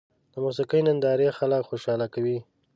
د موسیقۍ نندارې خلک خوشحاله کوي.